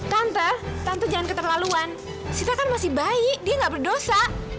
tante tante jangan keterlaluan sita kan masih bayi dia nggak berdosa